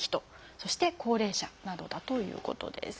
そして「高齢者」などだということです。